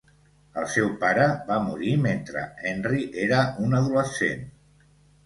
El seu pare va morir mentre Henry era un adolescent.